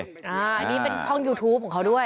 อันนี้เป็นช่องยูทูปของเขาด้วย